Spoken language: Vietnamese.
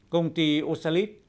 công ty ocelit